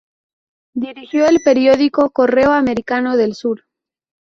Dirigió el periódico "Correo Americano del Sur".